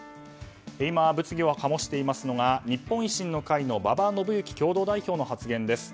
今、物議を醸していますのが日本維新の会の馬場伸幸共同代表の発言です。